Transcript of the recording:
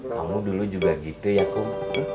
kamu dulu juga gitu ya kum